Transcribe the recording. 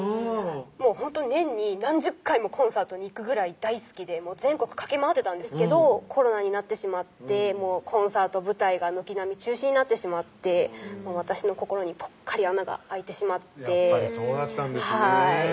もうほんとに年に何十回もコンサートに行くぐらい大好きで全国駆け回ってたんですけどコロナになってしまってコンサート・舞台が軒並み中止になってしまって私の心にぽっかり穴があいてしまってやっぱりそうだったんですねはい